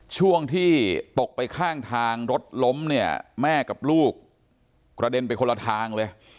ช่วงที่ตกไปข้างทางรถล้มเนี่ยแม่กับลูกกระเด็นไปคนละทางเลย